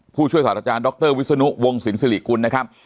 ผู้ช่วยศาสตราจารย์ดรวิศนุวงศิลสิริกุลนะครับ